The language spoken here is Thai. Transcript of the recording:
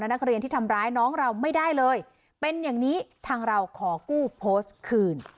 นักเรียนที่ทำร้ายน้องเราไม่ได้เลยเป็นอย่างนี้ทางเราขอกู้โพสต์คืน